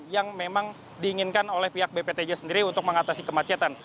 yang memang diinginkan oleh pihak bptj sendiri untuk mengatasi kemacetan